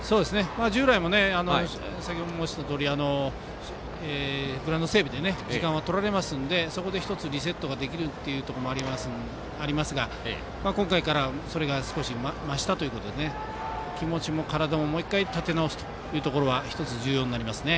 従来も、グラウンド整備で時間をとられますのでそこで１つリセットできるということがありますが今回からそれが増したということで気持ちも体ももう１回立て直すというところは１つ重要になりますね。